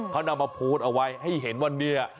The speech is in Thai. เขานำมาโพสต์เอาไว้ให้เห็นว่าเนี่ย